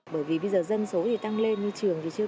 bởi vì bây giờ dân số thì tăng lên như trường thì chưa